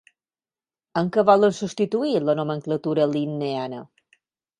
Amb què volen substituir la nomenclatura linneana?